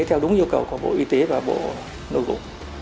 theo đúng yêu cầu của bộ y tế và bộ nội vụ